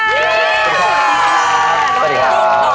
สวัสดีครับ